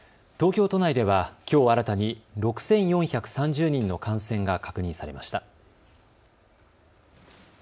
東京都内ではきょう新たに６４３０人の感染が確認されました。